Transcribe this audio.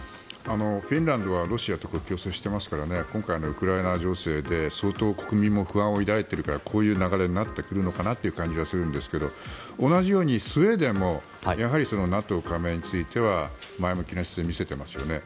フィンランドはロシアと国境を接してますから今回のウクライナ情勢で相当国民も不安を抱いているからこういう流れになってくるのかなという感じがするんですけど同じようにスウェーデンもやはりＮＡＴＯ加盟については前向きな姿勢を見せていますよね。